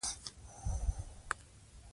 ایا ته د خپلو احساساتو په اړه خبرې کوې؟